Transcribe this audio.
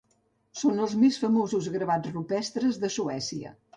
Són els més famosos gravats rupestres de Suècia.